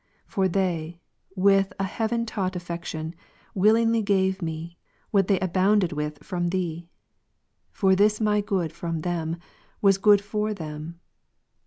For they, with an heaven taught affection, willingly gave me, what they abounded with from Thee. For this my good from them, was good for them.